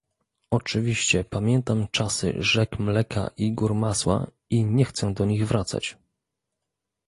Oczywiście pamiętam czasy rzek mleka i gór masła i nie chcę do nich wracać